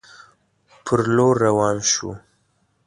پر لور روان شو.